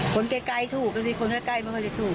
คนและใกล้ถูกแล้วก็เท่ากับคนมาเงินถูก